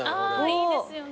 いいですよね。